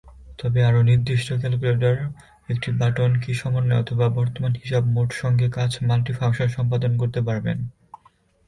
তবে, আরো নির্দিষ্ট ক্যালকুলেটর, একটি বাটন কী সমন্বয় অথবা বর্তমান হিসাব মোড সঙ্গে কাজ মাল্টি ফাংশন সম্পাদন করতে পারবেন।